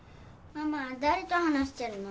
ママ誰と話してるの？